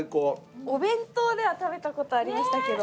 お弁当では食べた事ありましたけど。